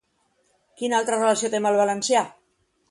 Quina altra relació té amb el valencià?